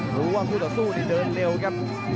รู้ว่าคู่ต่อสู้นี่เดินเร็วครับ